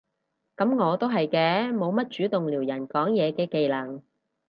噉我都係嘅，冇乜主動撩人講嘢嘅技能